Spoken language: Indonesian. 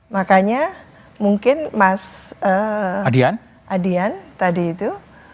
makanya mungkin mas adian tadi itu